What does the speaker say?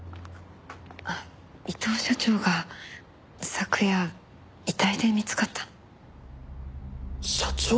伊藤社長が昨夜遺体で見つかったの。